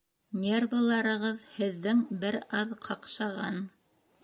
Нервыларығыҙ һеҙҙең бер аҙ ҡаҡшаған